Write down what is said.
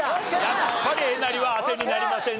やっぱりえなりは当てになりませんでした。